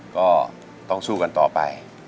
ก็ต้องสู้กันต่อไป